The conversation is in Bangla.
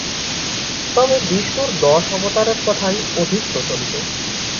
তবে বিষ্ণুর দশ অবতারের কথাই অধিক প্রচলিত।